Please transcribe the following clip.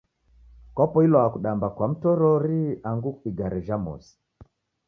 Kwapoilwa kudamba kwa mtorori andu igare jha mosi?